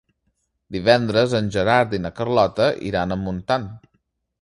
Divendres en Gerard i na Carlota iran a Montant.